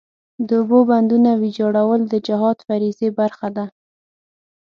د اوبو بندونو ویجاړول د جهاد فریضې برخه ده.